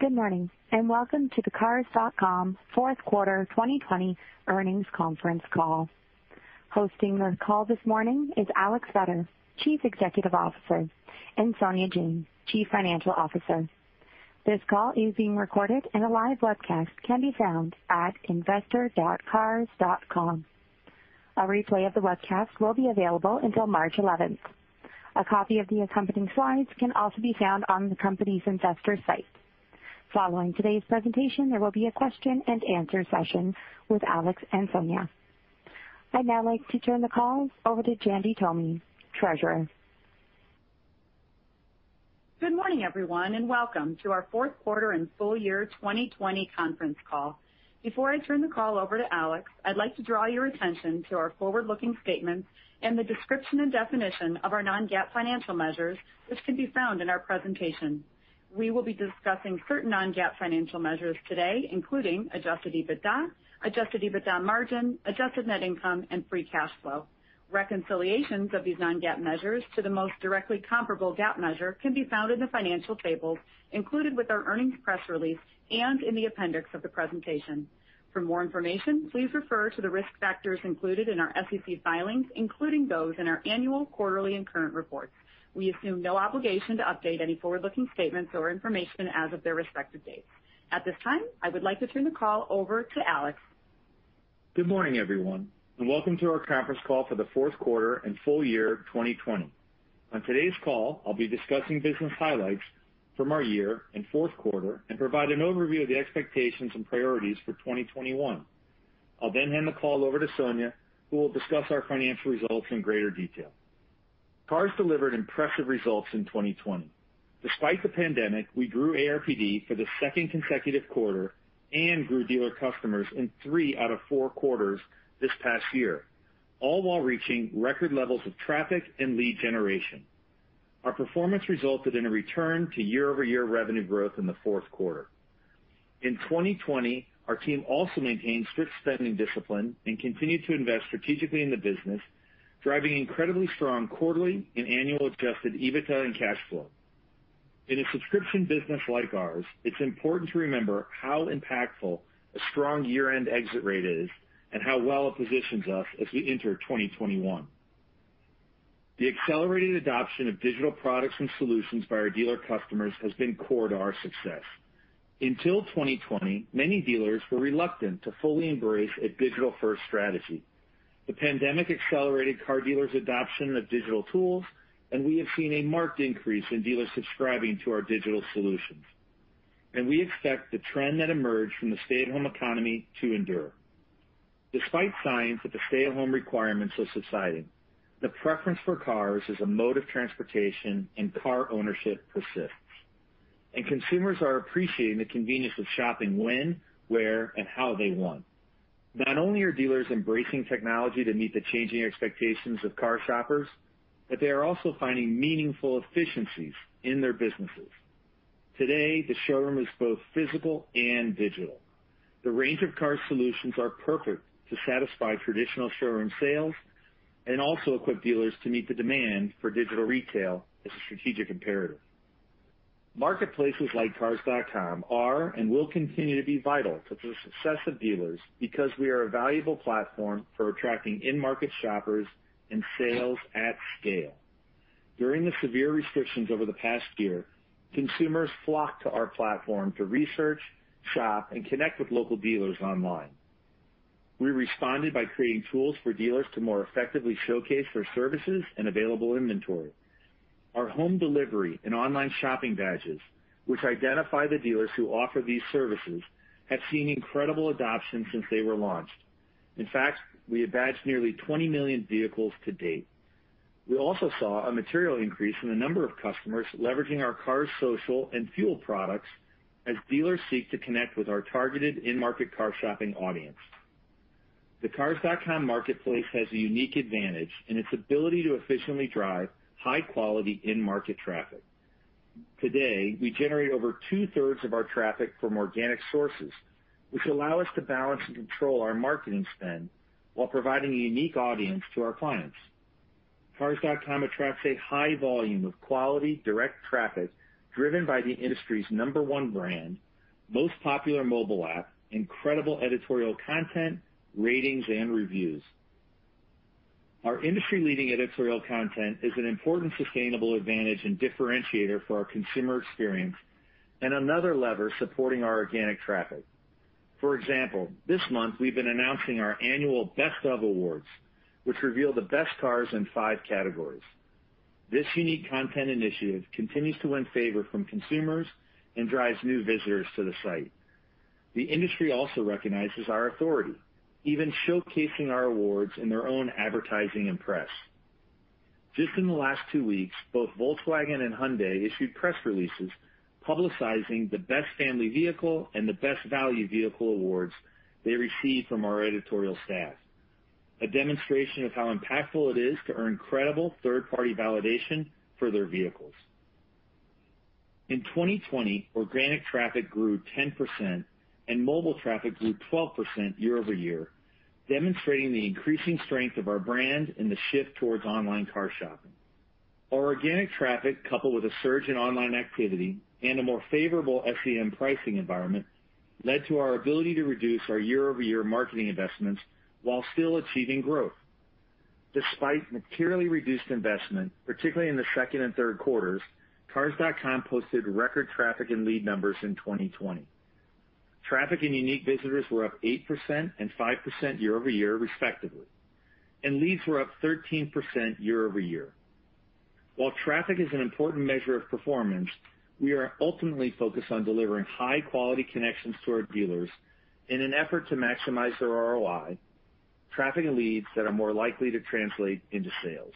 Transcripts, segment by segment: Good morning, welcome to the Cars.com fourth quarter 2020 earnings conference call. Hosting the call this morning is Alex Vetter, Chief Executive Officer, and Sonia Jain, Chief Financial Officer. This call is being recorded and a live webcast can be found at investor.cars.com. A replay of the webcast will be available until March 11th. A copy of the accompanying slides can also be found on the company's investor site. Following today's presentation, there will be a question and answer session with Alex and Sonia. I'd now like to turn the call over to Jandy Tomy, Treasurer. Good morning, everyone, and welcome to our fourth quarter and full year 2020 conference call. Before I turn the call over to Alex, I'd like to draw your attention to our forward-looking statements and the description and definition of our non-GAAP financial measures, which can be found in our presentation. We will be discussing certain non-GAAP financial measures today, including Adjusted EBITDA, Adjusted EBITDA margin, Adjusted net income, and Free cash flow. Reconciliations of these non-GAAP measures to the most directly comparable GAAP measure can be found in the financial tables included with our earnings press release and in the appendix of the presentation. For more information, please refer to the risk factors included in our SEC filings, including those in our annual, quarterly, and current reports. We assume no obligation to update any forward-looking statements or information as of their respective dates. At this time, I would like to turn the call over to Alex. Good morning, everyone. Welcome to our conference call for the fourth quarter and full year 2020. On today's call, I'll be discussing business highlights from our year and fourth quarter and provide an overview of the expectations and priorities for 2021. I'll hand the call over to Sonia, who will discuss our financial results in greater detail. Cars delivered impressive results in 2020. Despite the pandemic, we grew ARPD for the second consecutive quarter and grew dealer customers in three out of four quarters this past year, all while reaching record levels of traffic and lead generation. Our performance resulted in a return to year-over-year revenue growth in the fourth quarter. In 2020, our team also maintained strict spending discipline and continued to invest strategically in the business, driving incredibly strong quarterly and annual Adjusted EBITDA and cash flow. In a subscription business like ours, it's important to remember how impactful a strong year-end exit rate is and how well it positions us as we enter 2021. The accelerated adoption of digital products and solutions by our dealer customers has been core to our success. Until 2020, many dealers were reluctant to fully embrace a digital-first strategy. The pandemic accelerated car dealers' adoption of digital tools, we have seen a marked increase in dealers subscribing to our digital solutions. We expect the trend that emerged from the stay-at-home economy to endure. Despite signs that the stay-at-home requirements are subsiding, the preference for cars as a mode of transportation and car ownership persists, and consumers are appreciating the convenience of shopping when, where, and how they want. Not only are dealers embracing technology to meet the changing expectations of car shoppers, but they are also finding meaningful efficiencies in their businesses. Today, the showroom is both physical and digital. The range of Cars solutions are perfect to satisfy traditional showroom sales and also equip dealers to meet the demand for digital retail as a strategic imperative. Marketplaces like Cars.com are and will continue to be vital to the success of dealers because we are a valuable platform for attracting in-market shoppers and sales at scale. During the severe restrictions over the past year, consumers flocked to our platform to research, shop, and connect with local dealers online. We responded by creating tools for dealers to more effectively showcase their services and available inventory. Our home delivery and online shopping badges, which identify the dealers who offer these services, have seen incredible adoption since they were launched. In fact, we have badged nearly 20 million vehicles to date. We also saw a material increase in the number of customers leveraging our Cars Social and FUEL products as dealers seek to connect with our targeted in-market car shopping audience. The Cars.com marketplace has a unique advantage in its ability to efficiently drive high-quality in-market traffic. Today, we generate over two-thirds of our traffic from organic sources, which allow us to balance and control our marketing spend while providing a unique audience to our clients. Cars.com attracts a high volume of quality direct traffic driven by the industry's number one brand, most popular mobile app, incredible editorial content, ratings, and reviews. Our industry-leading editorial content is an important sustainable advantage and differentiator for our consumer experience and another lever supporting our organic traffic. For example, this month we've been announcing our annual Best Of awards, which reveal the best cars in five categories. This unique content initiative continues to win favor from consumers and drives new visitors to the site. The industry also recognizes our authority, even showcasing our awards in their own advertising and press. Just in the last two weeks, both Volkswagen and Hyundai issued press releases publicizing the Best Family Vehicle and the Best Value Vehicle awards they received from our editorial staff, a demonstration of how impactful it is to earn credible third-party validation for their vehicles. In 2020, organic traffic grew 10% and mobile traffic grew 12% year-over-year, demonstrating the increasing strength of our brand and the shift towards online car shopping. Our organic traffic, coupled with a surge in online activity and a more favorable SEM pricing environment, led to our ability to reduce our year-over-year marketing investments while still achieving growth. Despite materially reduced investment, particularly in the second and third quarters, Cars.com posted record traffic and lead numbers in 2020. Traffic and unique visitors were up 8% and 5% year-over-year respectively, and leads were up 13% year-over-year. While traffic is an important measure of performance, we are ultimately focused on delivering high-quality connections to our dealers in an effort to maximize their ROI, traffic and leads that are more likely to translate into sales.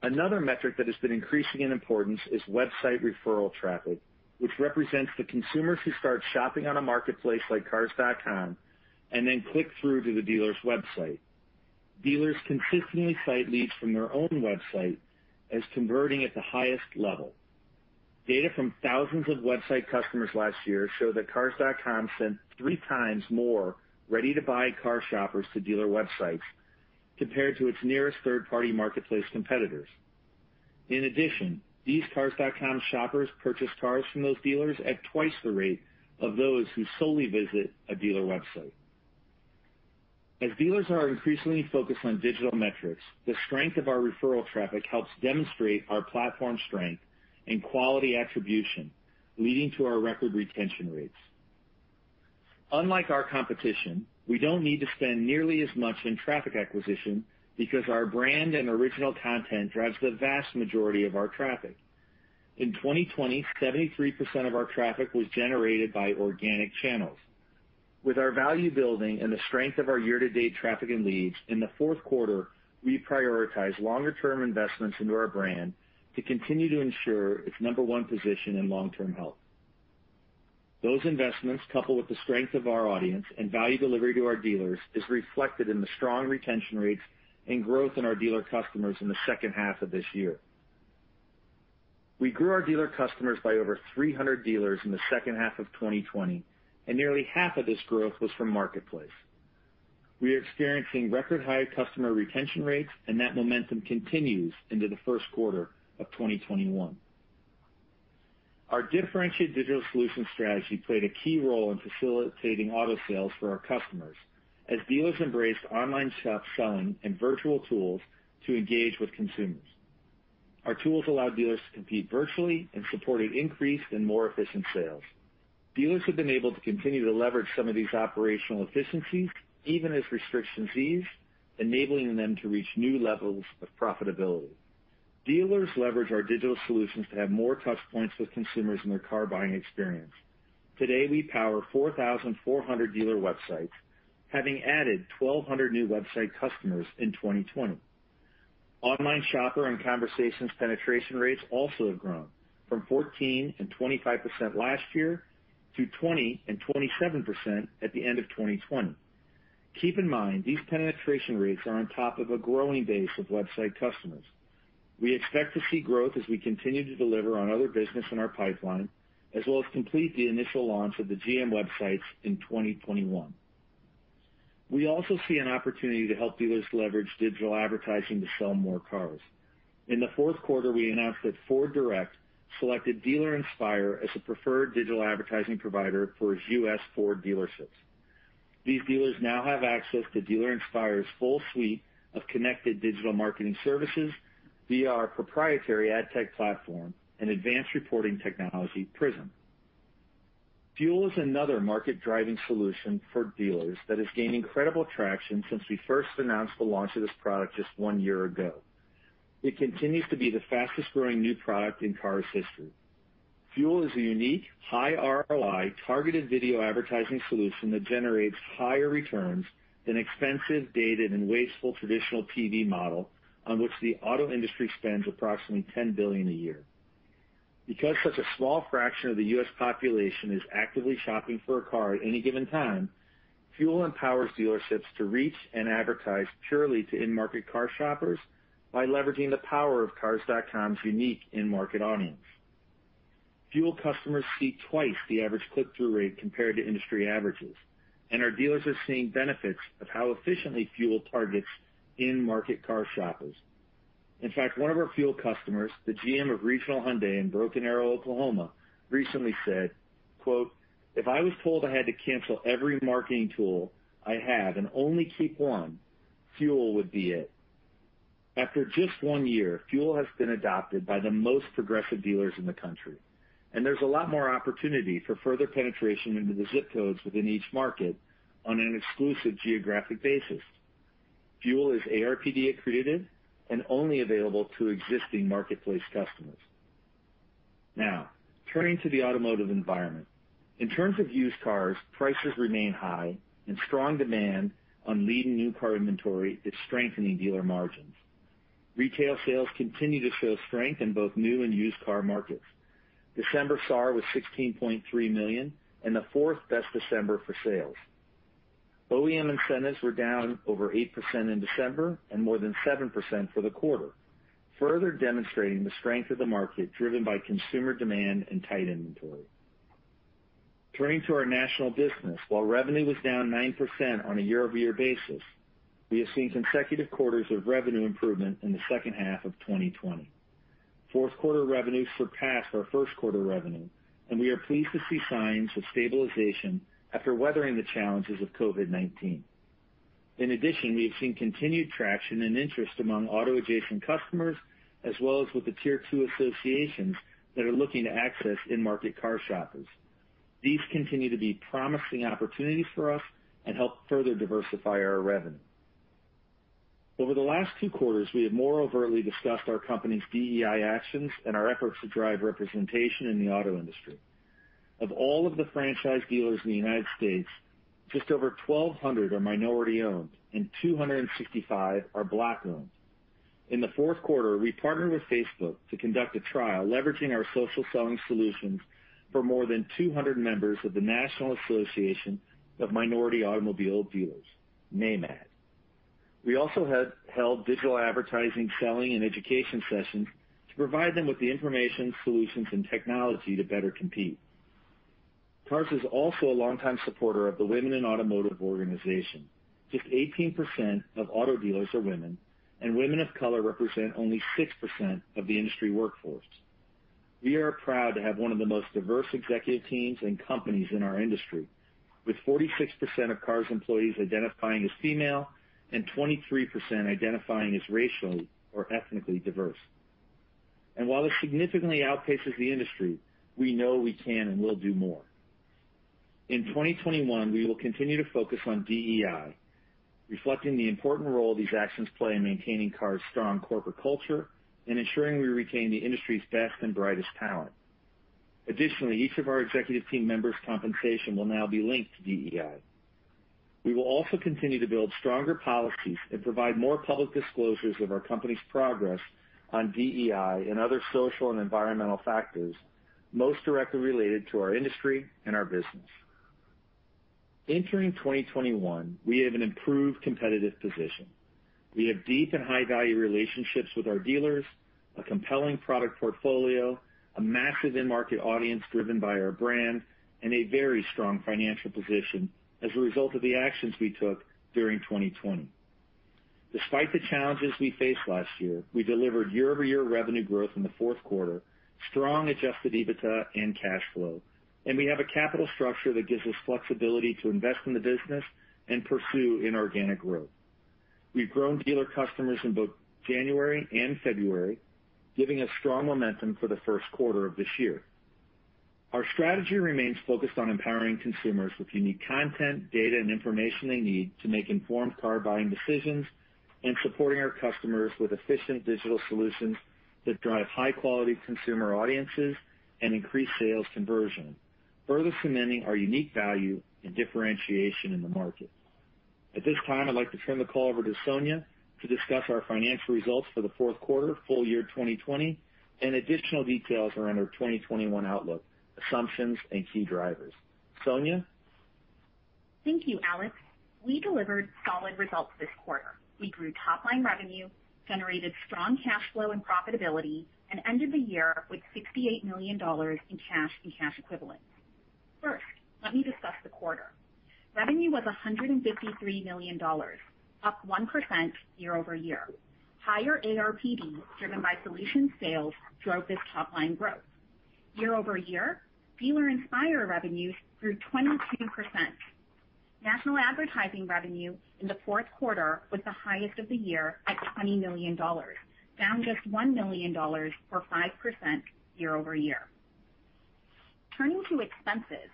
Another metric that has been increasing in importance is website referral traffic, which represents the consumers who start shopping on a marketplace like Cars.com and then click through to the dealer's website. Dealers consistently cite leads from their own website as converting at the highest level. Data from thousands of website customers last year show that Cars.com sent 3x more ready-to-buy car shoppers to dealer websites compared to its nearest third-party marketplace competitors. In addition, these Cars.com shoppers purchase cars from those dealers at twice the rate of those who solely visit a dealer website. As dealers are increasingly focused on digital metrics, the strength of our referral traffic helps demonstrate our platform strength and quality attribution, leading to our record retention rates. Unlike our competition, we don't need to spend nearly as much in traffic acquisition because our brand and original content drives the vast majority of our traffic. In 2020, 73% of our traffic was generated by organic channels. With our value building and the strength of our year-to-date traffic and leads, in the fourth quarter, we prioritized longer-term investments into our brand to continue to ensure its number one position and long-term health. Those investments, coupled with the strength of our audience and value delivery to our dealers, is reflected in the strong retention rates and growth in our dealer customers in the second half of this year. We grew our dealer customers by over 300 dealers in the second half of 2020, and nearly half of this growth was from Marketplace. We are experiencing record high customer retention rates, and that momentum continues into the first quarter of 2021. Our differentiated digital solution strategy played a key role in facilitating auto sales for our customers as dealers embraced online selling and virtual tools to engage with consumers. Our tools allowed dealers to compete virtually and supported increased and more efficient sales. Dealers have been able to continue to leverage some of these operational efficiencies, even as restrictions ease, enabling them to reach new levels of profitability. Dealers leverage our digital solutions to have more touch points with consumers in their car-buying experience. Today, we power 4,400 dealer websites, having added 1,200 new website customers in 2020. Online Shopper and Conversations penetration rates also have grown from 14% and 25% last year to 20% and 27% at the end of 2020. Keep in mind, these penetration rates are on top of a growing base of website customers. We expect to see growth as we continue to deliver on other business in our pipeline, as well as complete the initial launch of the GM websites in 2021. We also see an opportunity to help dealers leverage digital advertising to sell more cars. In the fourth quarter, we announced that FordDirect selected Dealer Inspire as a preferred digital advertising provider for its U.S. Ford dealerships. These dealers now have access to Dealer Inspire's full suite of connected digital marketing services via our proprietary ad tech platform and advanced reporting technology, PRIZM. FUEL is another market-driving solution for dealers that has gained incredible traction since we first announced the launch of this product just one year ago. It continues to be the fastest growing new product in Cars history. FUEL is a unique, high ROI, targeted video advertising solution that generates higher returns than expensive, dated, and wasteful traditional TV model on which the auto industry spends approximately $10 billion a year. Because such a small fraction of the U.S. population is actively shopping for a car at any given time, FUEL empowers dealerships to reach and advertise purely to in-market car shoppers by leveraging the power of Cars.com's unique in-market audience. FUEL customers see twice the average click-through rate compared to industry averages, and our dealers are seeing benefits of how efficiently FUEL targets in-market car shoppers. In fact, one of our FUEL customers, the GM of Regional Hyundai in Broken Arrow, Oklahoma, recently said, quote, "If I was told I had to cancel every marketing tool I have and only keep one, FUEL would be it." After just one year, FUEL has been adopted by the most progressive dealers in the country, and there's a lot more opportunity for further penetration into the zip codes within each market on an exclusive geographic basis. FUEL is ARPD accretive and only available to existing Marketplace customers. Turning to the automotive environment. In terms of used cars, prices remain high and strong demand on leading new car inventory is strengthening dealer margins. Retail sales continue to show strength in both new and used car markets. December SAAR was 16.3 million and the fourth best December for sales. OEM incentives were down over 8% in December and more than 7% for the quarter, further demonstrating the strength of the market driven by consumer demand and tight inventory. Turning to our national business, while revenue was down 9% on a year-over-year basis, we have seen consecutive quarters of revenue improvement in the second half of 2020. Fourth quarter revenue surpassed our first quarter revenue, and we are pleased to see signs of stabilization after weathering the challenges of COVID-19. In addition, we have seen continued traction and interest among auto-adjacent customers, as well as with the Tier 2 associations that are looking to access in-market car shoppers. These continue to be promising opportunities for us and help further diversify our revenue. Over the last two quarters, we have more overtly discussed our company's DEI actions and our efforts to drive representation in the auto industry. Of all of the franchise dealers in the U.S., just over 1,200 are minority owned and 265 are Black-owned. In the fourth quarter, we partnered with Facebook to conduct a trial leveraging our social selling solutions for more than 200 members of the National Association of Minority Automobile Dealers, NAMAD. We also held digital advertising, selling, and education sessions to provide them with the information, solutions, and technology to better compete. Cars is also a longtime supporter of the Women in Automotive organization. Just 18% of auto dealers are women, and women of color represent only 6% of the industry workforce. We are proud to have one of the most diverse executive teams and companies in our industry, with 46% of Cars employees identifying as female and 23% identifying as racially or ethnically diverse. While this significantly outpaces the industry, we know we can and will do more. In 2021, we will continue to focus on DEI, reflecting the important role these actions play in maintaining Cars' strong corporate culture and ensuring we retain the industry's best and brightest talent. Additionally, each of our executive team members' compensation will now be linked to DEI. We will also continue to build stronger policies and provide more public disclosures of our company's progress on DEI and other social and environmental factors most directly related to our industry and our business. Entering 2021, we have an improved competitive position. We have deep and high-value relationships with our dealers, a compelling product portfolio, a massive in-market audience driven by our brand, and a very strong financial position as a result of the actions we took during 2020. Despite the challenges we faced last year, we delivered year-over-year revenue growth in the fourth quarter, strong Adjusted EBITDA and cash flow, and we have a capital structure that gives us flexibility to invest in the business and pursue inorganic growth. We've grown dealer customers in both January and February, giving us strong momentum for the first quarter of this year. Our strategy remains focused on empowering consumers with unique content, data, and information they need to make informed car buying decisions and supporting our customers with efficient digital solutions that drive high-quality consumer audiences and increase sales conversion, further cementing our unique value and differentiation in the market. At this time, I'd like to turn the call over to Sonia to discuss our financial results for the fourth quarter full year 2020 and additional details around our 2021 outlook, assumptions, and key drivers. Sonia? Thank you, Alex. We delivered solid results this quarter. We grew top-line revenue, generated strong cash flow and profitability, and ended the year with $68 million in cash and cash equivalents. Let me discuss the quarter. Revenue was $153 million, up 1% year-over-year. Higher ARPD, driven by solutions sales, drove this top-line growth. Year-over-year, Dealer Inspire revenues grew 22%. National advertising revenue in the fourth quarter was the highest of the year at $20 million, down just $1 million or 5% year-over-year. Turning to expenses,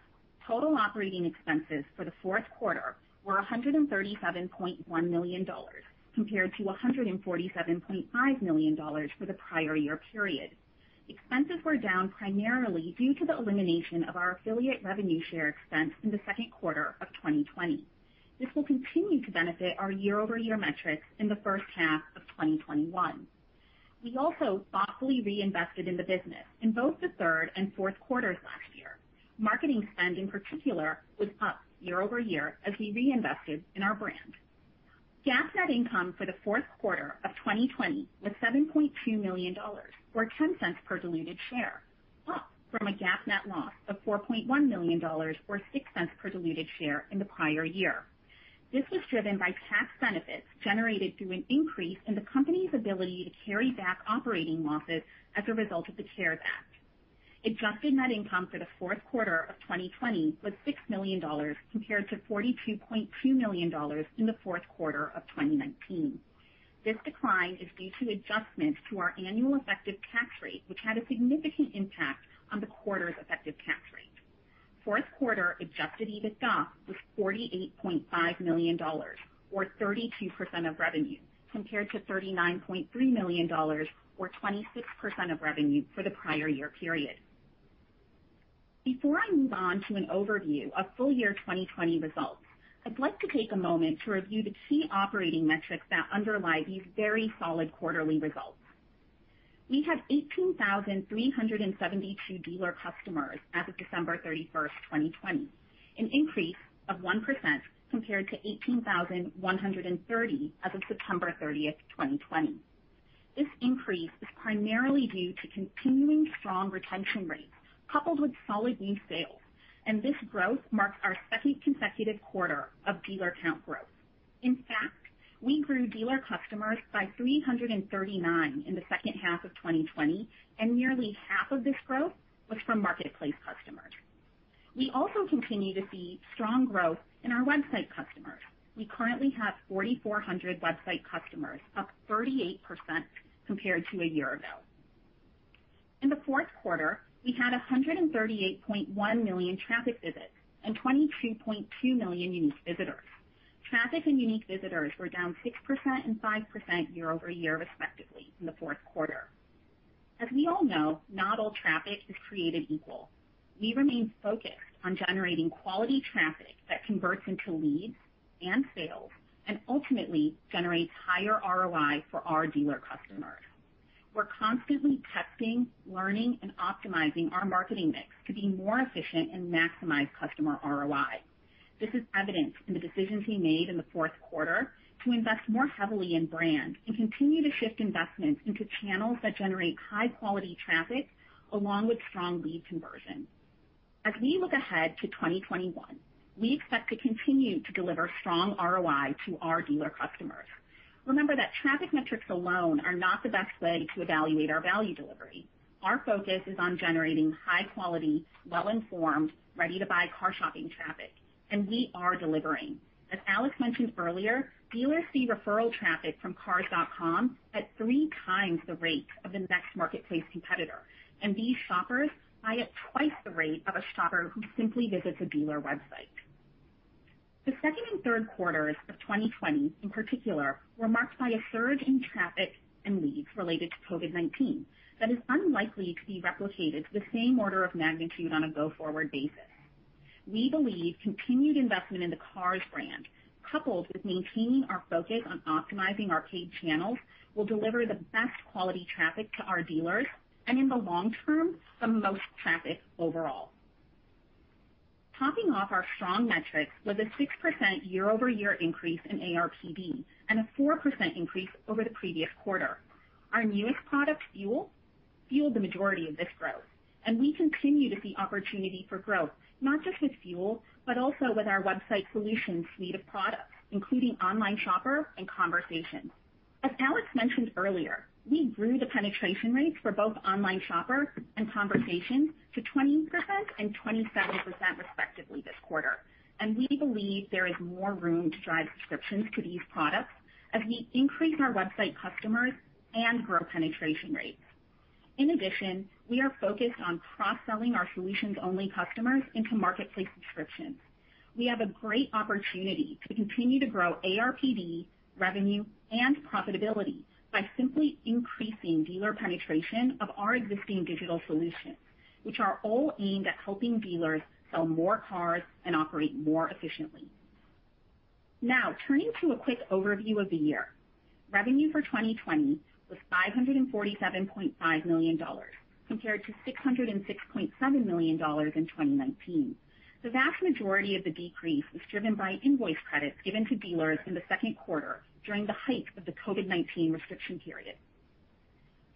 total operating expenses for the fourth quarter were $137.1 million compared to $147.5 million for the prior year period. Expenses were down primarily due to the elimination of our affiliate revenue share expense in the second quarter of 2020. This will continue to benefit our year-over-year metrics in the first half of 2021. We also thoughtfully reinvested in the business in both the third and fourth quarters last year. Marketing spend, in particular, was up year-over-year as we reinvested in our brand. GAAP net income for the fourth quarter of 2020 was $7.2 million, or $0.10 per diluted share, up from a GAAP net loss of $4.1 million or $0.06 per diluted share in the prior year. This was driven by tax benefits generated through an increase in the company's ability to carry back operating losses as a result of the CARES Act. Adjusted net income for the fourth quarter of 2020 was $6 million compared to $42.2 million in the fourth quarter of 2019. This decline is due to adjustments to our annual effective tax rate, which had a significant impact on the quarter's effective tax rate. Fourth quarter Adjusted EBITDA was $48.5 million, or 32% of revenue, compared to $39.3 million, or 26% of revenue for the prior year period. Before I move on to an overview of full year 2020 results, I'd like to take a moment to review the key operating metrics that underlie these very solid quarterly results. We had 18,372 dealer customers as of December 31st, 2020, an increase of 1% compared to 18,130 as of September 30th, 2020. This increase is primarily due to continuing strong retention rates coupled with solid new sales, and this growth marks our second consecutive quarter of dealer count growth. In fact, we grew dealer customers by 339 in the second half of 2020, and nearly half of this growth was from marketplace customers. We also continue to see strong growth in our website customers. We currently have 4,400 website customers, up 38% compared to a year ago. In the fourth quarter, we had 138.1 million traffic visits and 22.2 million unique visitors. Traffic and unique visitors were down 6% and 5% year-over-year, respectively, in the fourth quarter. As we all know, not all traffic is created equal. We remain focused on generating quality traffic that converts into leads and sales and ultimately generates higher ROI for our dealer customers. We're constantly testing, learning, and optimizing our marketing mix to be more efficient and maximize customer ROI. This is evident in the decisions we made in the fourth quarter to invest more heavily in brand and continue to shift investments into channels that generate high-quality traffic along with strong lead conversion. As we look ahead to 2021, we expect to continue to deliver strong ROI to our dealer customers. Remember that traffic metrics alone are not the best way to evaluate our value delivery. Our focus is on generating high quality, well-informed, ready-to-buy car shopping traffic, and we are delivering. As Alex mentioned earlier, dealers see referral traffic from Cars.com at three times the rate of the next marketplace competitor, and these shoppers buy at twice the rate of a shopper who simply visits a dealer website. The second and third quarters of 2020, in particular, were marked by a surge in traffic and leads related to COVID-19 that is unlikely to be replicated to the same order of magnitude on a go-forward basis. We believe continued investment in the Cars brand, coupled with maintaining our focus on optimizing our paid channels, will deliver the best quality traffic to our dealers and, in the long term, the most traffic overall. Topping off our strong metrics was a 6% year-over-year increase in ARPD and a 4% increase over the previous quarter. Our newest product, FUEL, fueled the majority of this growth, and we continue to see opportunity for growth, not just with FUEL, but also with our website solutions suite of products, including Online Shopper and Conversations. As Alex mentioned earlier, we grew the penetration rates for both Online Shopper and Conversations to 20% and 27%, respectively, this quarter, and we believe there is more room to drive subscriptions to these products as we increase our website customers and grow penetration rates. In addition, we are focused on cross-selling our solutions-only customers into marketplace subscriptions. We have a great opportunity to continue to grow ARPD revenue and profitability by simply increasing dealer penetration of our existing digital solutions, which are all aimed at helping dealers sell more cars and operate more efficiently. Now, turning to a quick overview of the year. Revenue for 2020 was $547.5 million compared to $606.7 million in 2019. The vast majority of the decrease was driven by invoice credits given to dealers in the second quarter during the height of the COVID-19 restriction period.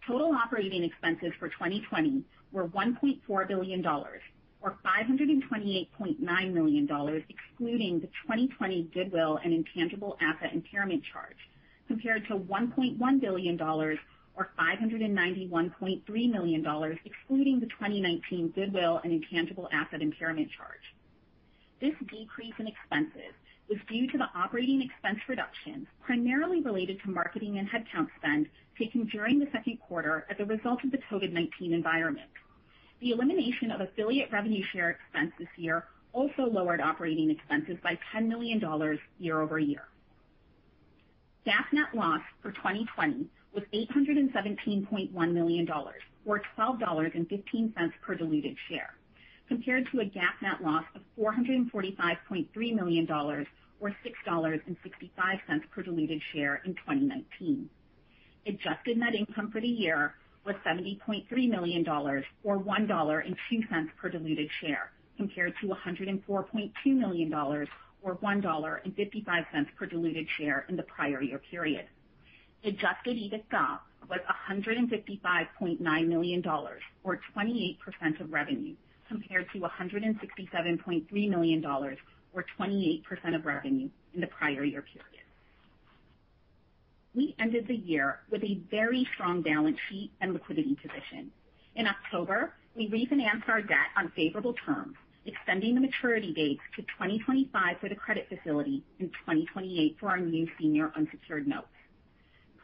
Total operating expenses for 2020 were $1.4 billion or $528.9 million, excluding the 2020 goodwill and intangible asset impairment charge, compared to $1.1 billion or $591.3 million, excluding the 2019 goodwill and intangible asset impairment charge. This decrease in expenses was due to the operating expense reduction primarily related to marketing and headcount spend taken during the second quarter as a result of the COVID-19 environment. The elimination of affiliate revenue share expense this year also lowered operating expenses by $10 million year-over-year. GAAP net loss for 2020 was $817.1 million, or $12.15 per diluted share, compared to a GAAP net loss of $445.3 million, or $6.65 per diluted share in 2019. Adjusted net income for the year was $70.3 million, or $1.02 per diluted share, compared to $104.2 million, or $1.55 per diluted share in the prior year period. Adjusted EBITDA was $155.9 million, or 28% of revenue, compared to $167.3 million, or 28% of revenue in the prior year period. We ended the year with a very strong balance sheet and liquidity position. In October, we refinanced our debt on favorable terms, extending the maturity dates to 2025 for the credit facility and 2028 for our new senior unsecured notes.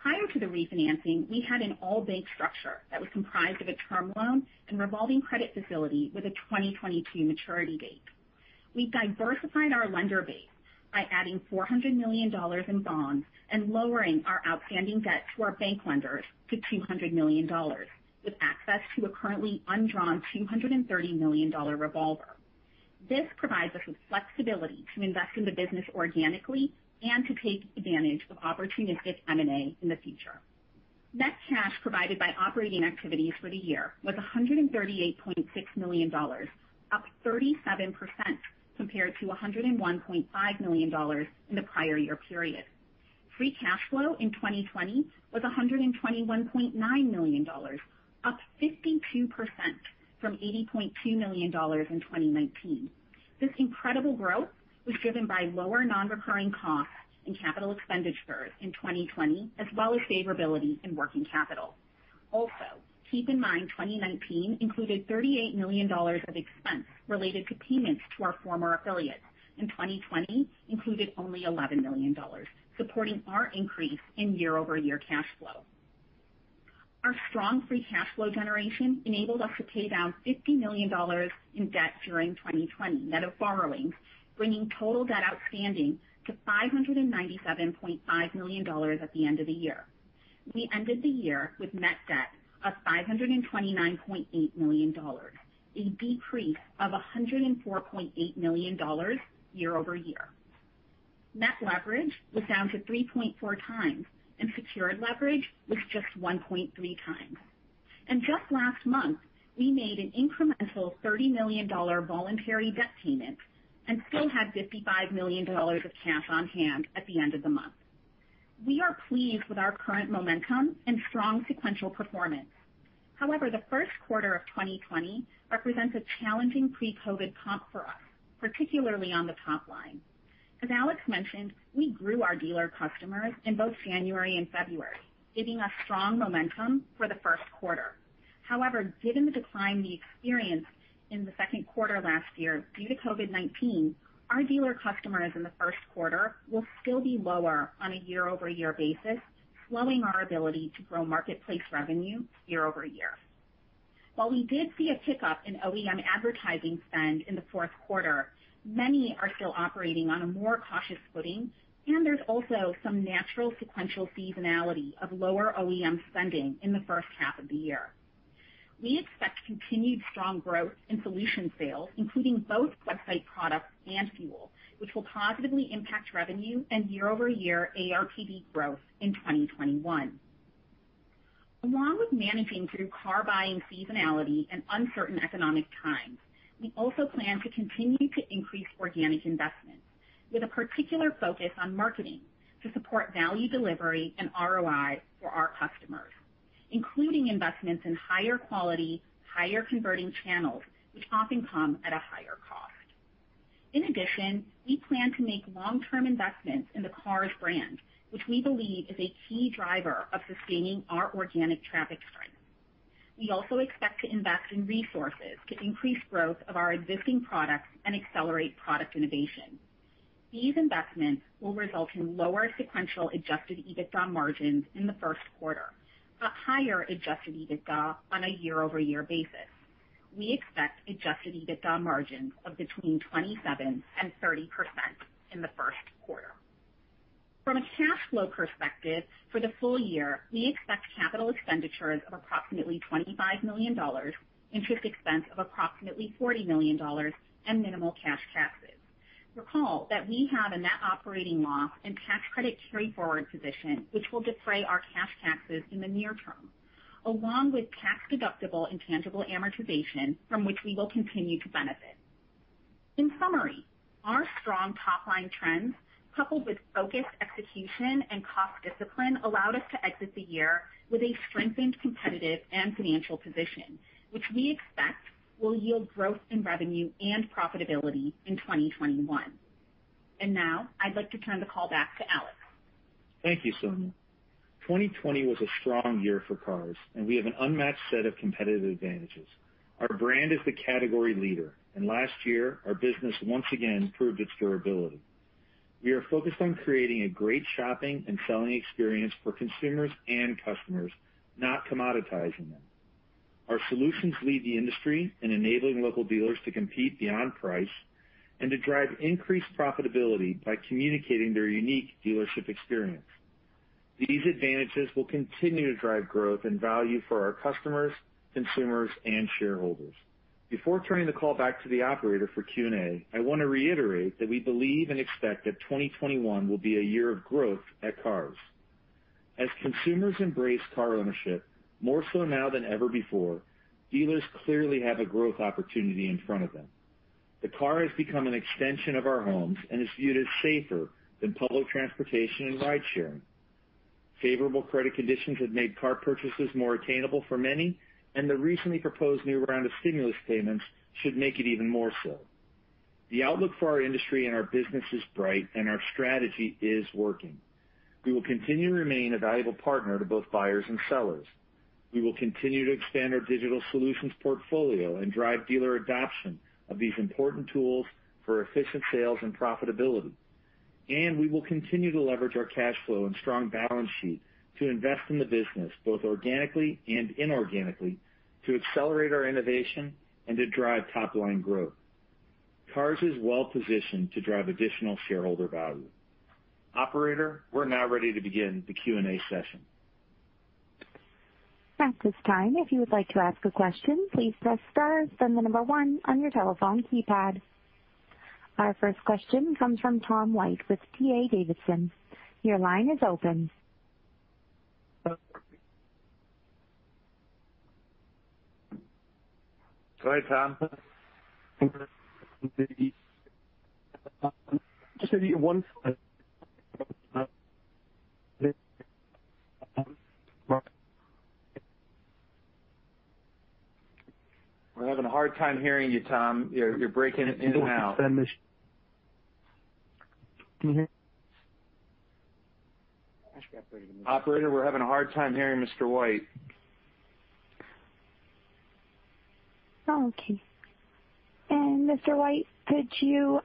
Prior to the refinancing, we had an all-bank structure that was comprised of a term loan and revolving credit facility with a 2022 maturity date. We diversified our lender base by adding $400 million in bonds and lowering our outstanding debt to our bank lenders to $200 million, with access to a currently undrawn $230 million revolver. This provides us with flexibility to invest in the business organically and to take advantage of opportunistic M&A in the future. Net cash provided by operating activities for the year was $138.6 million, up 37% compared to $101.5 million in the prior year period. Free cash flow in 2020 was $121.9 million, up 52% from $80.2 million in 2019. This incredible growth was driven by lower non-recurring costs and capital expenditures in 2020, as well as favorability in working capital. Also, keep in mind, 2019 included $38 million of expense related to payments to our former affiliates, and 2020 included only $11 million, supporting our increase in year-over-year cash flow. Our strong free cash flow generation enabled us to pay down $50 million in debt during 2020 net of borrowings, bringing total debt outstanding to $597.5 million at the end of the year. We ended the year with net debt of $529.8 million, a decrease of $104.8 million year-over-year. Net leverage was down to 3.4 times, and secured leverage was just 1.3 times. Just last month, we made an incremental $30 million voluntary debt payment and still had $55 million of cash on hand at the end of the month. We are pleased with our current momentum and strong sequential performance. However, the first quarter of 2020 represents a challenging pre-COVID-19 comp for us, particularly on the top line. As Alex mentioned, we grew our dealer customers in both January and February, giving us strong momentum for the first quarter. However, given the decline we experienced in the second quarter last year due to COVID-19, our dealer customers in the first quarter will still be lower on a year-over-year basis, slowing our ability to grow marketplace revenue year-over-year. While we did see a pickup in OEM advertising spend in the fourth quarter, many are still operating on a more cautious footing, and there's also some natural sequential seasonality of lower OEM spending in the first half of the year. We expect continued strong growth in solution sales, including both website products and FUEL, which will positively impact revenue and year-over-year ARPD growth in 2021. Along with managing through car buying seasonality and uncertain economic times, we also plan to continue to increase organic investments with a particular focus on marketing to support value delivery and ROI for our customers, including investments in higher quality, higher converting channels, which often come at a higher cost. In addition, we plan to make long-term investments in the Cars brand, which we believe is a key driver of sustaining our organic traffic strength. We also expect to invest in resources to increase growth of our existing products and accelerate product innovation. These investments will result in lower sequential Adjusted EBITDA margins in the first quarter, but higher Adjusted EBITDA on a year-over-year basis. We expect Adjusted EBITDA margins of between 27% and 30% in the first quarter. From a cash flow perspective, for the full year, we expect capital expenditures of approximately $25 million, interest expense of approximately $40 million, and minimal cash taxes. Recall that we have a net operating loss and tax credit carryforward position which will defray our cash taxes in the near term, along with tax-deductible intangible amortization from which we will continue to benefit. In summary, our strong top-line trends, coupled with focused execution and cost discipline, allowed us to exit the year with a strengthened competitive and financial position, which we expect will yield growth in revenue and profitability in 2021. Now I'd like to turn the call back to Alex. Thank you, Sonia. 2020 was a strong year for Cars.com, we have an unmatched set of competitive advantages. Our brand is the category leader, last year, our business once again proved its durability. We are focused on creating a great shopping and selling experience for consumers and customers, not commoditizing them. Our solutions lead the industry in enabling local dealers to compete beyond price and to drive increased profitability by communicating their unique dealership experience. These advantages will continue to drive growth and value for our customers, consumers, and shareholders. Before turning the call back to the operator for Q&A, I want to reiterate that we believe and expect that 2021 will be a year of growth at Cars.com. As consumers embrace car ownership more so now than ever before, dealers clearly have a growth opportunity in front of them. The car has become an extension of our homes and is viewed as safer than public transportation and ride sharing. Favorable credit conditions have made car purchases more attainable for many, and the recently proposed new round of stimulus payments should make it even more so. The outlook for our industry and our business is bright, and our strategy is working. We will continue to remain a valuable partner to both buyers and sellers. We will continue to expand our digital solutions portfolio and drive dealer adoption of these important tools for efficient sales and profitability. We will continue to leverage our cash flow and strong balance sheet to invest in the business, both organically and inorganically, to accelerate our innovation and to drive top-line growth. Cars is well positioned to drive additional shareholder value. Operator, we're now ready to begin the Q&A session. At this time, if you would like to ask a question, please press star, then the number one on your telephone keypad. Our first question comes from Tom White with D.A. Davidson. Your line is open. Go ahead, Tom. We're having a hard time hearing you, Tom. You're breaking in and out. Operator, we're having a hard time hearing Mr. White. Okay. Mr. White, could you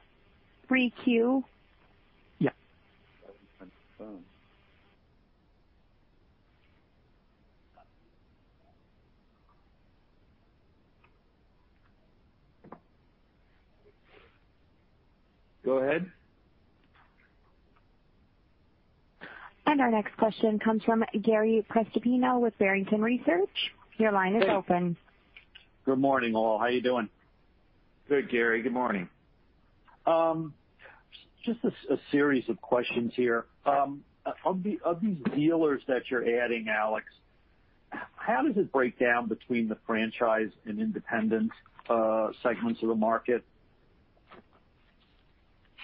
re-queue? Yeah. Go ahead. Our next question comes from Gary Prestopino with Barrington Research. Your line is open. Good morning, all. How you doing? Good, Gary. Good morning. Just a series of questions here. Of these dealers that you're adding, Alex, how does it break down between the franchise and independent segments of the market?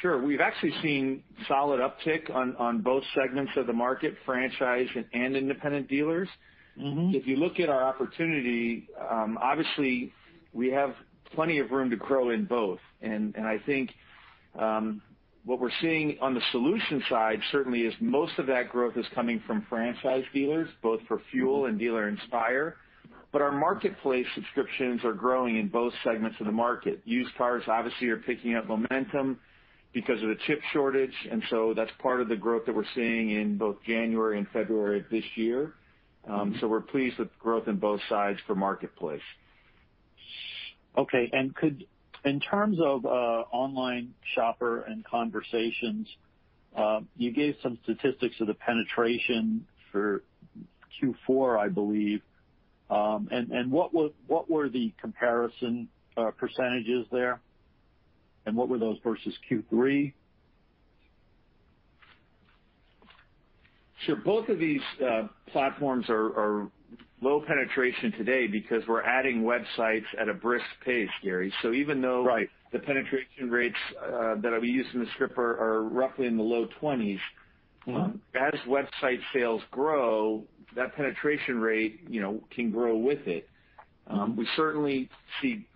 Sure. We've actually seen solid uptick on both segments of the market, franchise and independent dealers. If you look at our opportunity, obviously we have plenty of room to grow in both. I think what we're seeing on the solution side, certainly is most of that growth is coming from franchise dealers, both for FUEL and Dealer Inspire. Our marketplace subscriptions are growing in both segments of the market. Used cars obviously are picking up momentum because of the chip shortage, that's part of the growth that we're seeing in both January and February of this year. We're pleased with growth in both sides for marketplace. Okay. In terms of Online Shopper and Conversations, you gave some statistics of the penetration for Q4, I believe. What were the comparison percentages there, and what were those versus Q3? Sure. Both of these platforms are low penetration today because we're adding websites at a brisk pace, Gary. Right. Even though the penetration rates that we use in the script are roughly in the low 20s. As website sales grow, that penetration rate can grow with it. We certainly see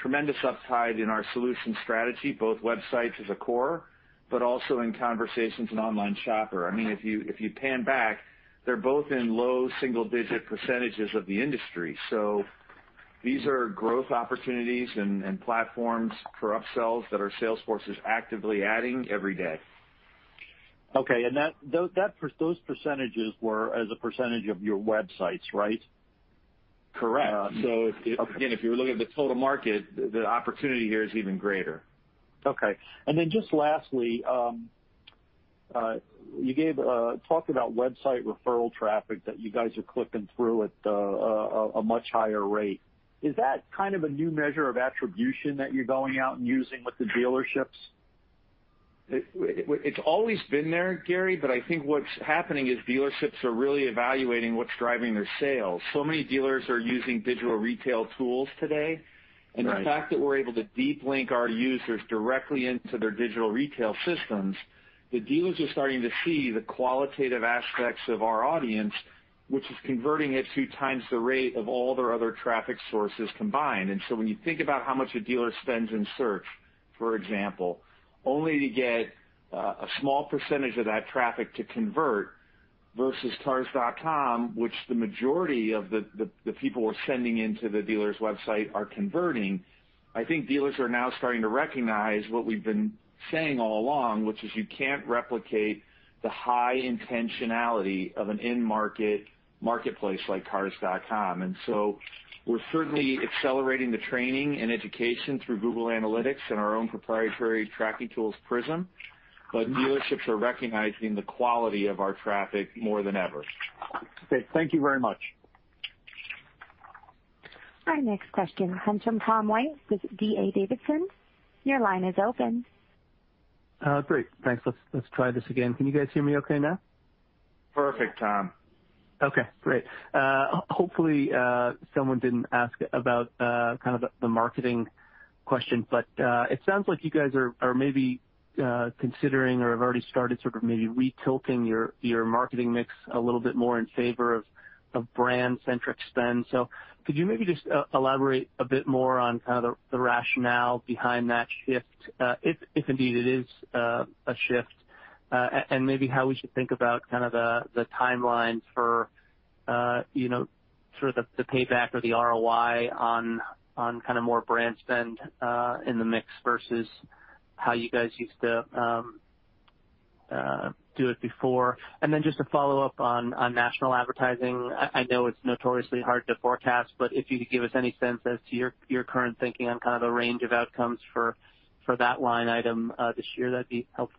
tremendous upside in our solution strategy, both websites as a core, but also in Conversations and Online Shopper. If you pan back, they're both in low single-digit percentages of the industry. These are growth opportunities and platforms for upsells that our sales force is actively adding every day. Okay. Those percentages were as a percentage of your websites, right? Correct. Again, if you were looking at the total market, the opportunity here is even greater. Okay. Just lastly, you talked about website referral traffic that you guys are clicking through at a much higher rate. Is that a new measure of attribution that you're going out and using with the dealerships? It's always been there, Gary, but I think what's happening is dealerships are really evaluating what's driving their sales. Many dealers are using digital retail tools today. Right. The fact that we're able to deep link our users directly into their digital retail systems, the dealers are starting to see the qualitative aspects of our audience, which is converting at two times the rate of all their other traffic sources combined. When you think about how much a dealer spends in search, for example, only to get a small percentage of that traffic to convert versus cars.com, which the majority of the people we're sending into the dealer's website are converting, I think dealers are now starting to recognize what we've been saying all along, which is you can't replicate the high intentionality of an end marketplace like cars.com. We're certainly accelerating the training and education through Google Analytics and our own proprietary tracking tools PRIZM. Dealerships are recognizing the quality of our traffic more than ever. Okay. Thank you very much. Our next question comes from Tom White with D.A. Davidson. Your line is open. Great. Thanks. Let's try this again. Can you guys hear me okay now? Perfect, Tom. Okay, great. Hopefully, someone didn't ask about the marketing question, it sounds like you guys are maybe considering or have already started sort of maybe re-tilting your marketing mix a little bit more in favor of brand-centric spend. Could you maybe just elaborate a bit more on kind of the rationale behind that shift, if indeed it is a shift? Maybe how we should think about the timelines for sort of the payback or the ROI on more brand spend in the mix versus how you guys used to do it before. Just a follow-up on national advertising. I know it's notoriously hard to forecast, but if you could give us any sense as to your current thinking on kind of the range of outcomes for that line item this year, that'd be helpful.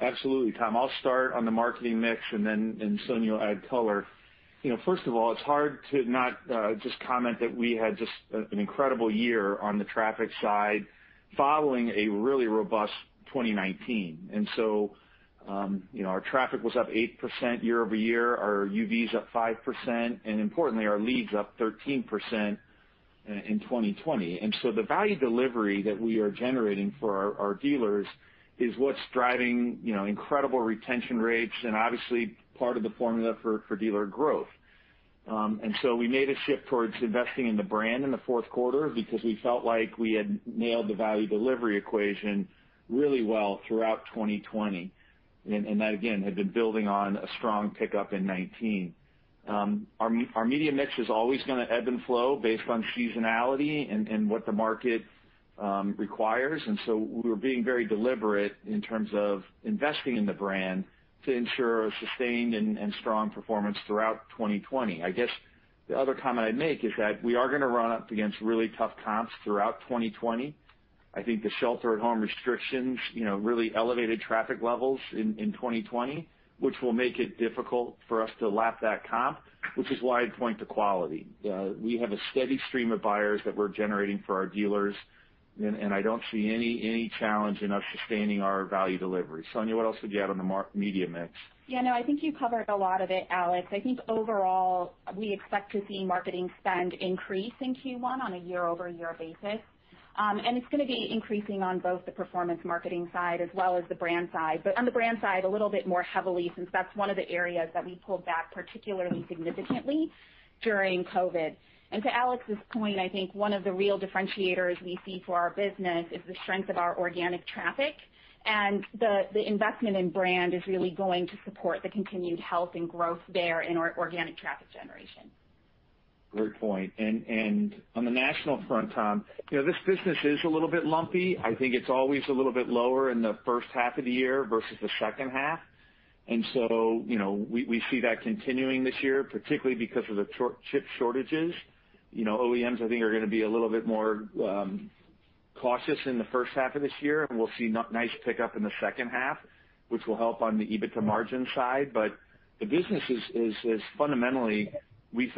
Absolutely, Tom. I'll start on the marketing mix and then Sonia will add color. First of all, it's hard to not just comment that we had just an incredible year on the traffic side following a really robust 2019. Our traffic was up 8% year-over-year. Our UVs up 5%, and importantly, our leads up 13% in 2020. The value delivery that we are generating for our dealers is what's driving incredible retention rates and obviously part of the formula for dealer growth. We made a shift towards investing in the brand in the fourth quarter because we felt like we had nailed the value delivery equation really well throughout 2020. That, again, had been building on a strong pickup in 2019. Our media mix is always going to ebb and flow based on seasonality and what the market requires. We're being very deliberate in terms of investing in the brand to ensure a sustained and strong performance throughout 2020. I guess the other comment I'd make is that we are going to run up against really tough comps throughout 2020. I think the shelter at home restrictions really elevated traffic levels in 2020, which will make it difficult for us to lap that comp, which is why I point to quality. We have a steady stream of buyers that we're generating for our dealers, and I don't see any challenge in us sustaining our value delivery. Sonia, what else would you add on the media mix? Yeah, no, I think you covered a lot of it, Alex. I think overall, we expect to see marketing spend increase in Q1 on a year-over-year basis. It's going to be increasing on both the performance marketing side as well as the brand side. On the brand side a little bit more heavily since that's one of the areas that we pulled back particularly significantly during COVID. To Alex's point, I think one of the real differentiators we see for our business is the strength of our organic traffic. The investment in brand is really going to support the continued health and growth there in our organic traffic generation. Great point. On the national front, Tom, this business is a little bit lumpy. I think it's always a little bit lower in the first half of the year versus the second half. We see that continuing this year, particularly because of the chip shortages. OEMs, I think, are going to be a little bit more cautious in the first half of this year, and we'll see nice pickup in the second half, which will help on the EBITDA margin side. The business is fundamentally, we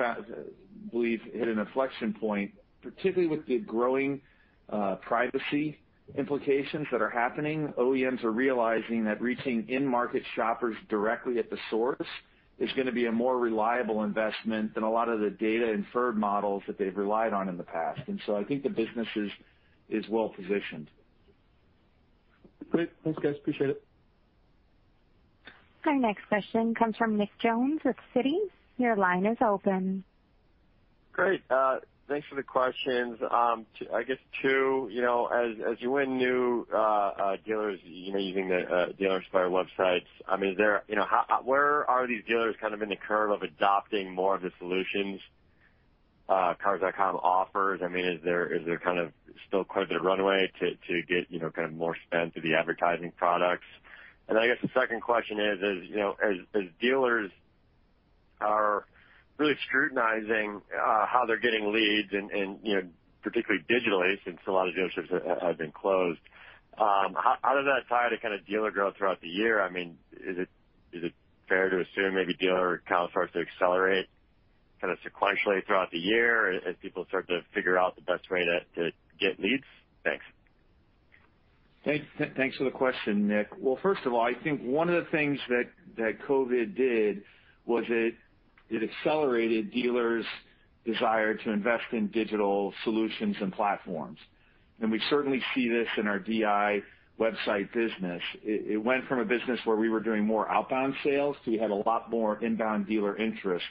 believe, hit an inflection point, particularly with the growing privacy implications that are happening. OEMs are realizing that reaching in-market shoppers directly at the source is going to be a more reliable investment than a lot of the data inferred models that they've relied on in the past. I think the business is well-positioned. Great. Thanks, guys. Appreciate it. Our next question comes from Nick Jones with Citi. Your line is open. Great. Thanks for the questions. I guess two, as you win new dealers using the Dealer Inspire websites, where are these dealers in the curve of adopting more of the solutions Cars.com offers? Is there still quite a bit of runway to get more spend to the advertising products? I guess the second question is, as dealers are really scrutinizing how they're getting leads and particularly digitally, since a lot of dealerships have been closed, how does that tie to dealer growth throughout the year? Is it fair to assume maybe dealer count starts to accelerate sequentially throughout the year as people start to figure out the best way to get leads? Thanks. Thanks for the question, Nick. Well, first of all, I think one of the things that COVID did was it accelerated dealers' desire to invest in digital solutions and platforms. We certainly see this in our DI website business. It went from a business where we were doing more outbound sales to we had a lot more inbound dealer interest.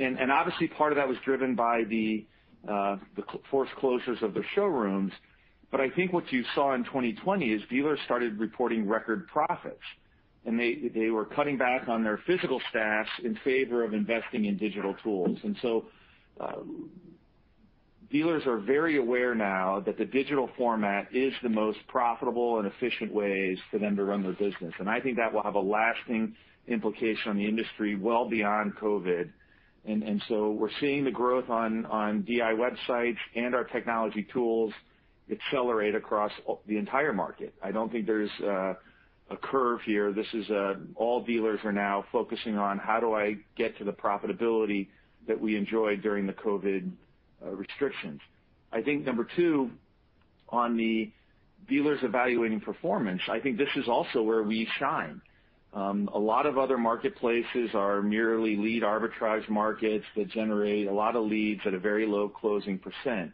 Obviously, part of that was driven by the forced closures of their showrooms. I think what you saw in 2020 is dealers started reporting record profits. They were cutting back on their physical staffs in favor of investing in digital tools. Dealers are very aware now that the digital format is the most profitable and efficient ways for them to run their business. I think that will have a lasting implication on the industry well beyond COVID. We're seeing the growth on DI websites and our technology tools accelerate across the entire market. I don't think there's a curve here. This is all dealers are now focusing on how do I get to the profitability that we enjoyed during the COVID-19 restrictions. I think number two, on the dealers evaluating performance, I think this is also where we shine. A lot of other marketplaces are merely lead arbitrage markets that generate a lot of leads at a very low closing percent.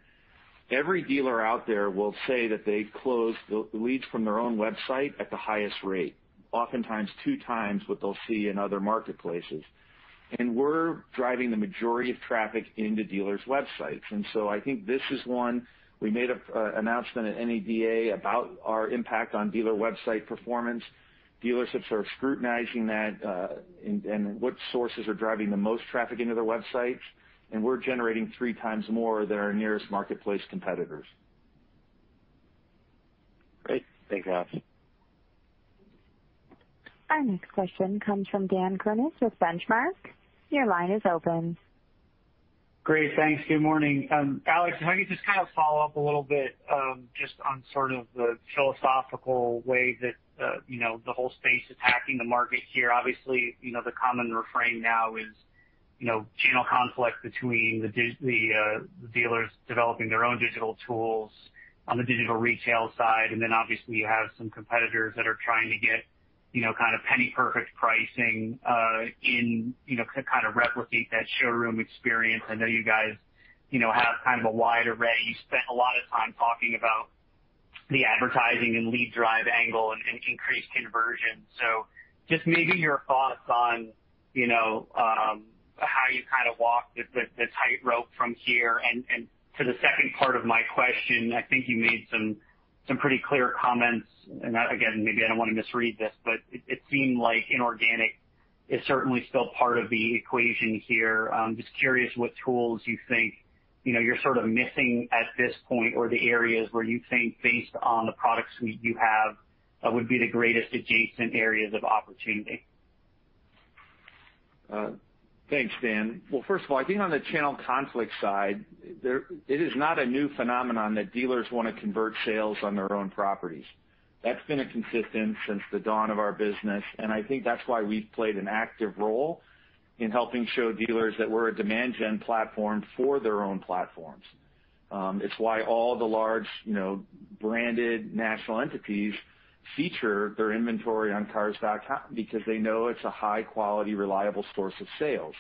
Every dealer out there will say that they close leads from their own website at the highest rate, oftentimes two times what they'll see in other marketplaces. We're driving the majority of traffic into dealers' websites. I think this is one we made an announcement at NADA about our impact on dealer website performance. Dealerships are scrutinizing that and what sources are driving the most traffic into their websites. We're generating three times more than our nearest marketplace competitors. Great. Thanks, Alex. Our next question comes from Dan Kurnos with Benchmark. Your line is open. Great. Thanks. Good morning. Alex, can I just follow up a little bit just on the philosophical way that the whole space is hacking the market here? Obviously, the common refrain now is channel conflict between the dealers developing their own digital tools on the digital retail side. Obviously you have some competitors that are trying to get penny perfect pricing to replicate that showroom experience. I know you guys have a wide array. You spent a lot of time talking about the advertising and lead drive angle and increased conversion. Just maybe your thoughts on how you walk the tightrope from here. To the second part of my question, I think you made some pretty clear comments, and, again, maybe I don't want to misread this, but it seemed like inorganic is certainly still part of the equation here. I'm just curious what tools you think you're missing at this point, or the areas where you think based on the product suite you have would be the greatest adjacent areas of opportunity? Thanks, Dan. Well, first of all, I think on the channel conflict side, it is not a new phenomenon that dealers want to convert sales on their own properties. That's been a consistent since the dawn of our business, and I think that's why we've played an active role in helping show dealers that we're a demand gen platform for their own platforms. It's why all the large branded national entities feature their inventory on Cars.com because they know it's a high quality, reliable source of sales.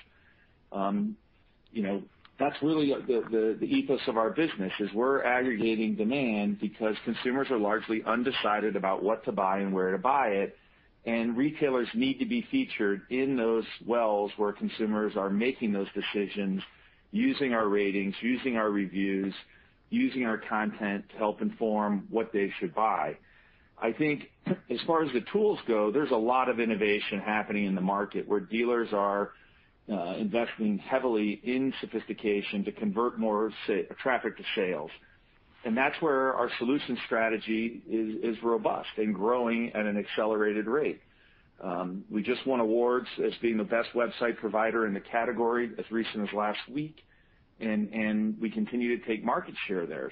That's really the ethos of our business is we're aggregating demand because consumers are largely undecided about what to buy and where to buy it, and retailers need to be featured in those wells where consumers are making those decisions, using our ratings, using our reviews, using our content to help inform what they should buy. I think as far as the tools go, there's a lot of innovation happening in the market where dealers are investing heavily in sophistication to convert more traffic to sales. That's where our solution strategy is robust and growing at an accelerated rate. We just won awards as being the best website provider in the category as recent as last week, and we continue to take market share there.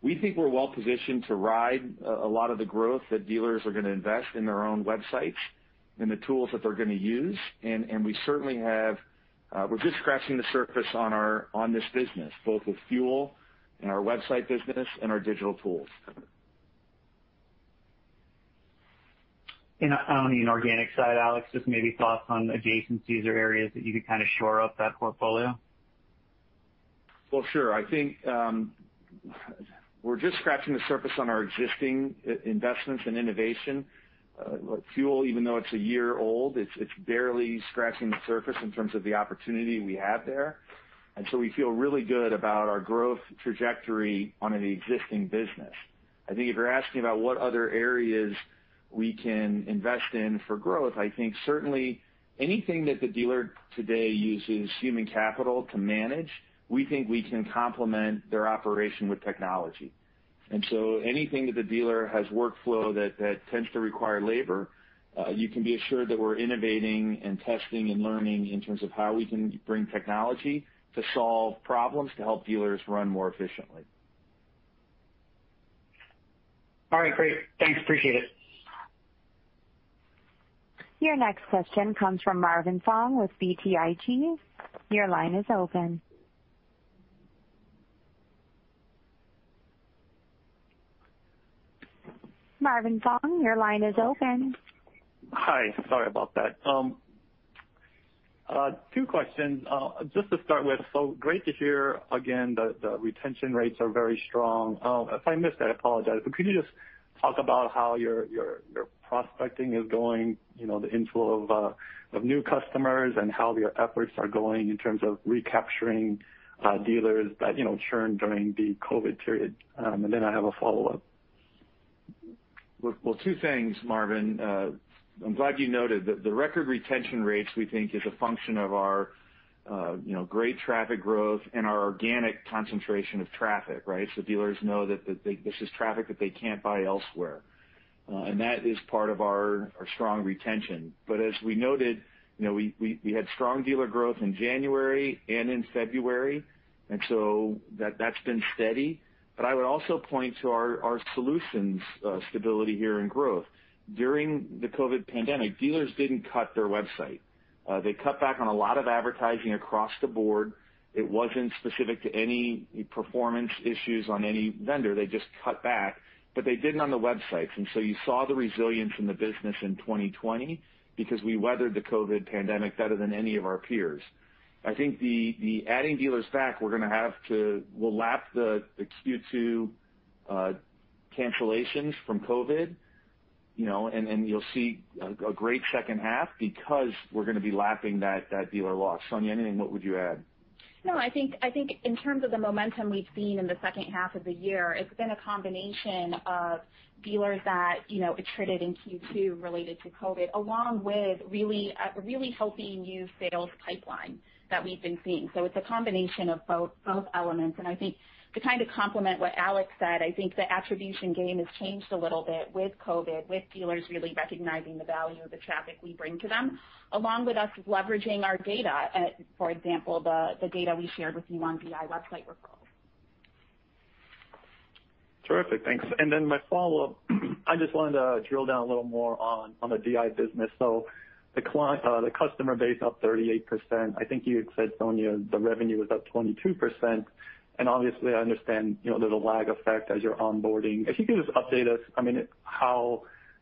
We think we're well positioned to ride a lot of the growth that dealers are going to invest in their own websites and the tools that they're going to use, and we're just scratching the surface on this business, both with FUEL and our website business and our digital tools. On the inorganic side, Alex, just maybe thoughts on adjacencies or areas that you could shore up that portfolio? Sure. I think we're just scratching the surface on our existing investments in innovation. FUEL, even though it's a year old, it's barely scratching the surface in terms of the opportunity we have there. We feel really good about our growth trajectory on an existing business. I think if you're asking about what other areas we can invest in for growth, I think certainly anything that the dealer today uses human capital to manage, we think we can complement their operation with technology. Anything that the dealer has workflow that tends to require labor, you can be assured that we're innovating and testing and learning in terms of how we can bring technology to solve problems to help dealers run more efficiently. All right, great. Thanks. Appreciate it. Your next question comes from Marvin Fong with BTIG. Your line is open. Marvin Fong, your line is open. Hi. Sorry about that. Two questions. Just to start with, great to hear again that the retention rates are very strong. If I missed it, I apologize, but could you just talk about how your prospecting is going, the inflow of new customers and how your efforts are going in terms of recapturing dealers that churn during the COVID period? I have a follow-up. Well, two things, Marvin. I'm glad you noted that the record retention rates, we think is a function of our great traffic growth and our organic concentration of traffic, right? Dealers know that this is traffic that they can't buy elsewhere. That is part of our strong retention. As we noted, we had strong dealer growth in January and in February, and so that's been steady. I would also point to our solutions stability here in growth. During the COVID pandemic, dealers didn't cut their website. They cut back on a lot of advertising across the board. It wasn't specific to any performance issues on any vendor. They just cut back. They didn't on the websites. You saw the resilience in the business in 2020 because we weathered the COVID pandemic better than any of our peers. I think the adding dealers back, we'll lap the Q2 cancellations from COVID, and you'll see a great second half because we're going to be lapping that dealer loss. Sonia, anything, what would you add? I think in terms of the momentum we've seen in the second half of the year, it's been a combination of dealers that attrited in Q2 related to COVID, along with a really healthy used sales pipeline that we've been seeing. It's a combination of both elements. I think to complement what Alex said, I think the attribution game has changed a little bit with COVID, with dealers really recognizing the value of the traffic we bring to them, along with us leveraging our data, for example, the data we shared with you on DI website referrals. Terrific. Thanks. My follow-up, I just wanted to drill down a little more on the DI business. The customer base up 38%, I think you had said, Sonia, the revenue was up 22%, and obviously I understand there's a lag effect as you're onboarding. If you could just update us,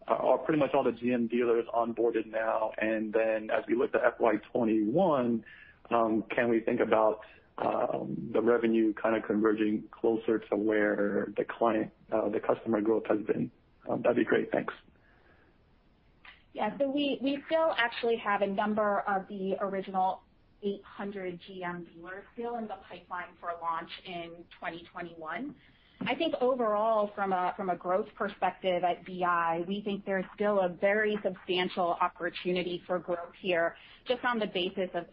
are pretty much all the GM dealers onboarded now? As we look to FY 2021, can we think about the revenue converging closer to where the customer growth has been? That'd be great. Thanks. We still actually have a number of the original 800 GM dealers still in the pipeline for launch in 2021. I think overall, from a growth perspective at DI, we think there's still a very substantial opportunity for growth here, just on the basis of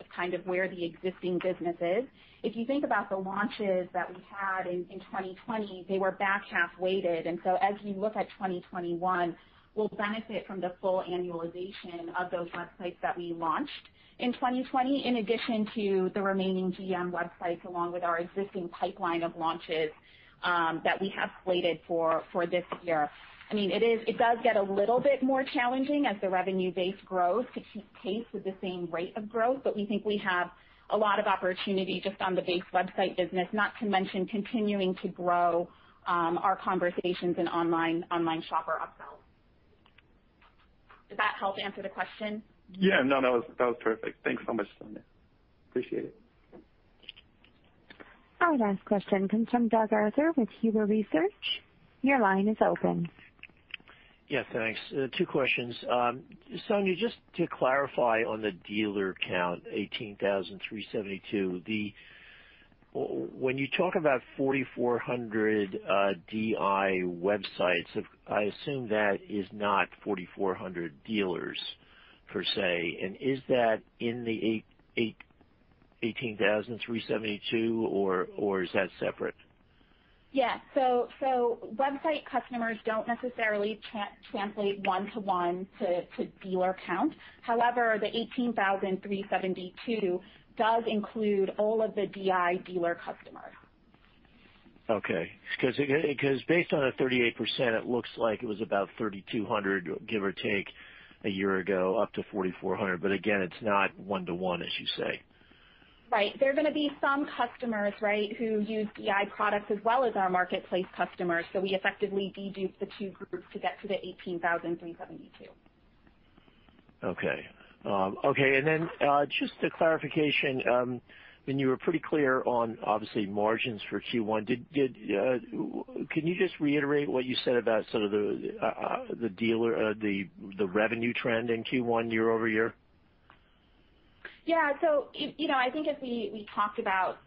where the existing business is. If you think about the launches that we had in 2020, they were back-half weighted. As we look at 2021, we'll benefit from the full annualization of those websites that we launched in 2020, in addition to the remaining GM websites, along with our existing pipeline of launches that we have slated for this year. It does get a little bit more challenging as the revenue base grows to keep pace with the same rate of growth. We think we have a lot of opportunity just on the base website business, not to mention continuing to grow our Conversations and Online Shopper upsells. Does that help answer the question? Yeah, no, that was perfect. Thanks so much, Sonia. Appreciate it. Our last question comes from Doug Arthur with Huber Research. Your line is open. Yeah, thanks. two questions. Sonia, just to clarify on the dealer count, 18,372. When you talk about 4,400 DI websites, I assume that is not 4,400 dealers per se. Is that in the 18,372, or is that separate? Yeah. Website customers don't necessarily translate one to one to dealer count. However, the 18,372 does include all of the DI dealer customers. Okay. Based on the 38%, it looks like it was about 3,200, give or take, a year ago, up to 4,400. Again, it's not 1:1 as you say. Right. There are going to be some customers who use DI products as well as our marketplace customers. We effectively de-dupe the two groups to get to the 18,372. Okay. Just a clarification, and you were pretty clear on, obviously, margins for Q1, can you just reiterate what you said about the revenue trend in Q1 year-over-year? Yeah. I think as we talked about,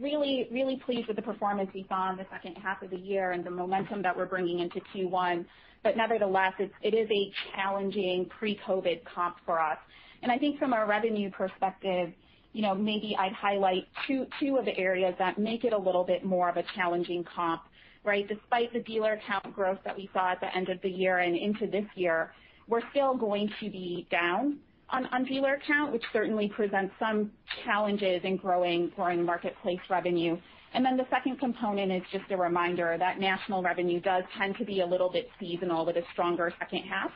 really pleased with the performance we saw in the second half of the year and the momentum that we're bringing into Q1. Nevertheless, it is a challenging pre-COVID-19 comp for us. I think from a revenue perspective, maybe I'd highlight two of the areas that make it a little bit more of a challenging comp. Despite the dealer count growth that we saw at the end of the year and into this year, we're still going to be down on dealer count, which certainly presents some challenges in growing marketplace revenue. The second component is just a reminder that national revenue does tend to be a little bit seasonal with a stronger second half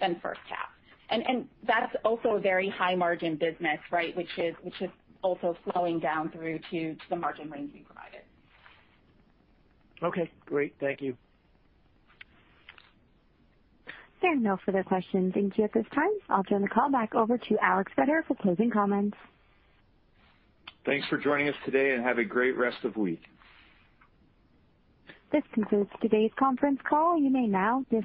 than first half. That's also a very high margin business, which is also flowing down through to the margin range we provided. Okay, great. Thank you. There are no further questions in queue at this time. I'll turn the call back over to Alex Vetter for closing comments. Thanks for joining us today, and have a great rest of week. This concludes today's conference call. You may now disconnect.